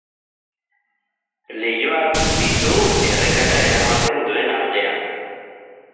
Leihoak ditu errekara eramaten duen aldean.